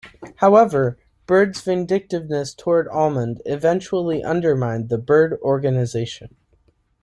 However, Byrd's vindictiveness toward Almond eventually undermined the Byrd Organization.